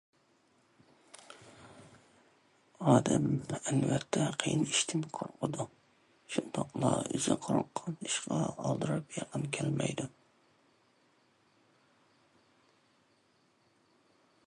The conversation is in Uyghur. ئادەم ئەلۋەتتە قىيىن ئىشتىن قورقىدۇ، شۇنداقلا ئۆزى قورققان ئىشقا ئالدىراپ يېقىن كەلمەيدۇ.